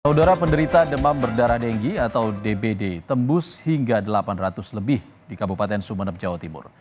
udara penderita demam berdarah denggi atau dbd tembus hingga delapan ratus lebih di kabupaten sumeneb jawa timur